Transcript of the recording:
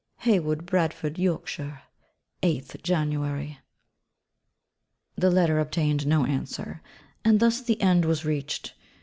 Haworth, Bradford, Yorkshire, 8_th January_. The Letter obtained no answer. And thus the end was reached.